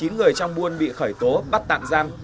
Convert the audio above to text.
một mươi chín người trong buôn bị khởi tố bắt tặng giam